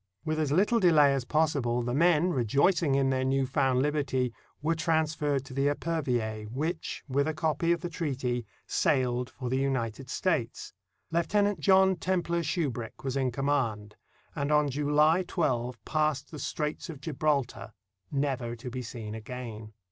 With as little delay as possible, the men, rejoicing in their new found liberty, were transferred to the Epervier, which, with a copy of 30s NORTHERN AFRICA the treaty, sailed for the United States. Lieutenant John Templar Shubrick was in command, and on July 12 passed the Straits of Gibraltar, never to be seen again.